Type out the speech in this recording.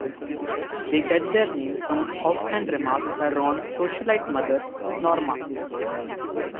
They get their name from an offhand remark by Ron's socialite mother Norma.